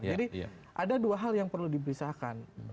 jadi ada dua hal yang perlu dibisarkan